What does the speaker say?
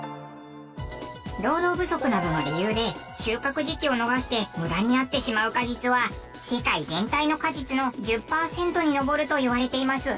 労働不足などの理由で収穫時期を逃して無駄になってしまう果実は世界全体の果実の１０パーセントに上るといわれています。